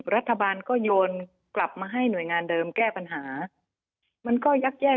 รัฐบาลก็โยนกลับมาให้หน่วยงานเดิมแก้ปัญหามันก็ยักแย่